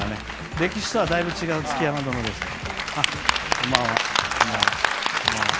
歴史とは、だいぶ違う築山殿ですから。